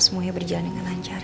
semuanya berjalan dengan lancar